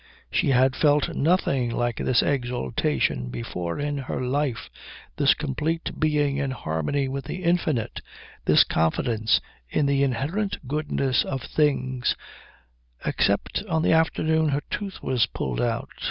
She had felt nothing like this exaltation before in her life, this complete being in harmony with the infinite, this confidence in the inherent goodness of things, except on the afternoon her tooth was pulled out.